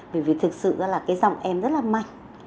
bởi vì thực sự là cái giọng em rất là mạnh